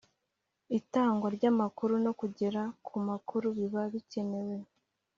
itangwa ry amakuru no kugera ku makuru biba bikenew